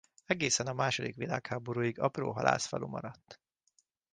Egészen a második világháborúig apró halászfalu maradt.